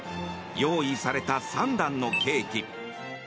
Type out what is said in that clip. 用意された３段のケーキ。